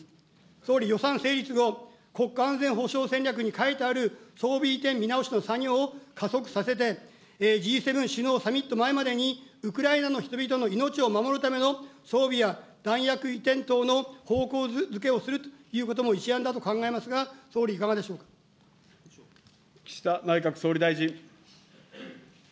総理、予算成立後、国家安全保障戦略に書いてある装備移転見直しの作業を加速させて、Ｇ７首脳サミット前までに、ウクライナの人々の命を守るための装備や弾薬移転等の方向付けをするということも、一案だと考えます岸田内閣総理大臣。